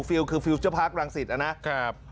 ฟิลล์คือฟิลเจอร์พาร์ครังสิตอ่ะนะครับ